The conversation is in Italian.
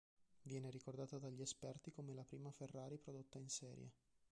Viene ricordata dagli esperti come la prima Ferrari prodotta in serie.